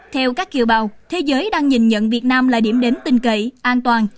theo các kiều bào thế giới đang nhìn nhận việt nam là điểm đến tinh cậy an toàn